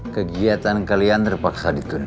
kegiatan kalian terpaksa ditunda